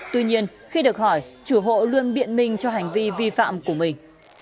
tuy nhiên khi được hỏi chủ hộ luôn biện minh cho hành vi vi phạm của mình